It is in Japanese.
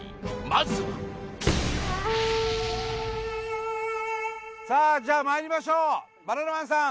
まずはさあじゃあまいりましょうバナナマンさん